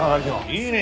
いいね。